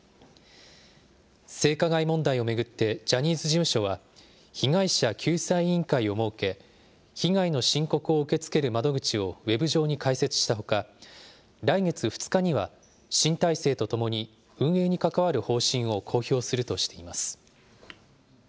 性加害問題を巡って、ジャニーズ事務所は、被害者救済委員会を設け、被害の申告を受け付ける窓口をウェブ上に開設したほか、来月２日には新体制とともに、運営に関わる方針を公表するとしています。